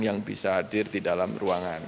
yang bisa hadir di dalam ruangan